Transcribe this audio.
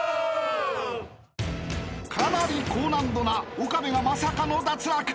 ［かなり高難度な岡部がまさかの脱落］